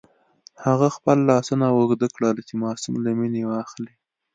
هغه خپل لاسونه اوږده کړل چې ماشوم له مينې واخلي.